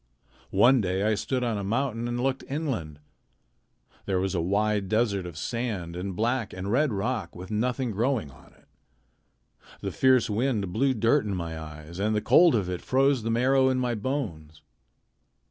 One day I stood on a mountain and looked inland. There was a wide desert of sand and black and red rock with nothing growing on it. The fierce wind blew dirt into my eyes, and the cold of it froze the marrow in my bones.